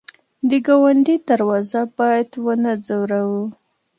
د ګاونډي دروازه باید ونه ځوروو